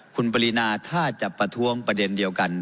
คุณปรินาถ้าจะประท้วงประเด็นเดียวกัน